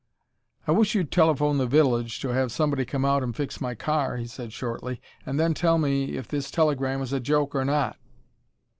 "I wish you'd telephone the village to have somebody come out and fix my car," he said shortly, "and then tell me if this telegram is a joke or not."